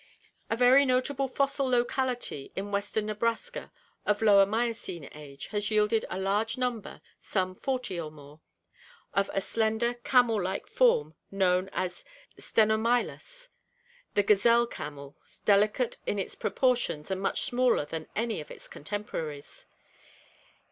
A very notable fossil locality in western Nebraska, of Lower Miocene age, has yielded a large number, some forty or more, of a slender camel like form known as Slenomylus (Fig. 233), the gazelle camel, delicate in its proportions and much smaller than any of its contemporaries.